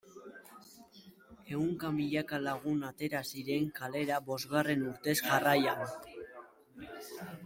Ehunka milaka lagun atera ziren kalera bosgarren urtez jarraian.